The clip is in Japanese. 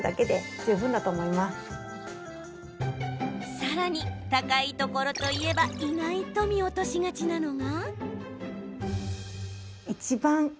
さらに、高いところといえば意外と見落としがちなのが。